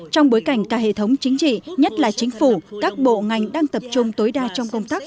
trong bối cảnh cả hệ thống chính trị nhất là chính phủ các bộ ngành đang tập trung tối đa trong công tác